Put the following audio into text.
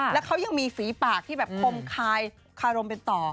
แล้วเขายังมีฝีปากที่แบบคมคายคารมเป็นต่อ